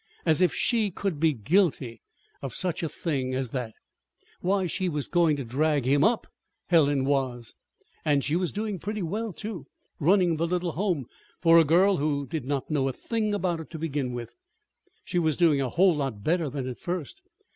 As if she could be guilty of such a thing as that! Why, she was going to drag him up Helen was! And she was doing pretty well, too, running the little home, for a girl who did not know a thing about it, to begin with. She was doing a whole lot better than at first.